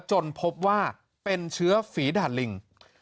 จนพบว่าเป็นเชื้อฝีด่านลิง